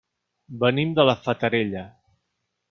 Venim de la Fatarella.